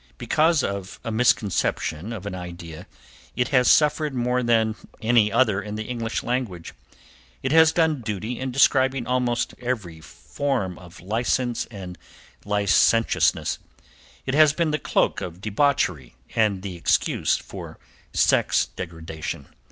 Because of a misconception of an idea it has suffered more than any other in the English language. It has done duty in describing almost every form of license and licentiousness. It has been the cloak of debauchery and the excuse for sex degradation.